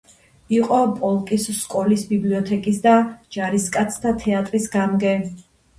იყო პოლკის სკოლის ბიბლიოთეკის და ჯარისკაცთა თეატრის გამგე.